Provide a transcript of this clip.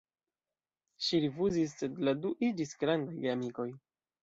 Ŝi rifuzis, sed la du iĝis grandaj geamikoj.